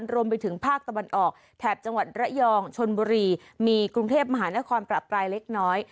รวมไปถึงภาคตะวันออกแถบจังหวัดระยองชนบุรีมีกรุงเทพมหานครประปรายเล็กน้อย